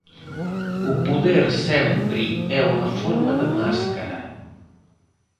O poder sempre é unha forma de máscara.